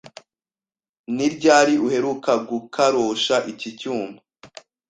Ni ryari uheruka gukarosha iki cyuma?